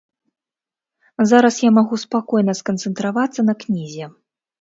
Зараз я магу спакойна сканцэнтравацца на кнізе.